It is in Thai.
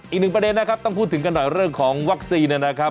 อีกหนึ่งประเด็นนะครับต้องพูดถึงกันหน่อยเรื่องของวัคซีนเนี่ยนะครับ